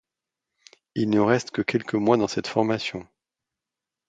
Il ne reste que quelques mois dans cette formation.